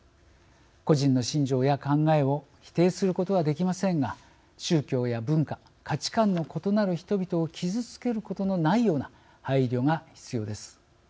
個人の信条や考えを否定することはできませんが宗教や文化価値観の異なる人々を傷つけることのないような配慮が必要です。